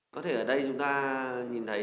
có thể ở đây chúng ta nhìn thấy